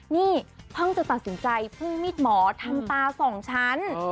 นี่เพิ่งจะตัดสินใจพึ่งมีดหมอทำตาสองชั้น